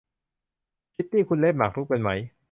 คิตตี้ คุณเล่นหมากรุกเป็นไหม ?